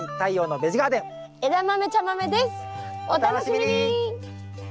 お楽しみに！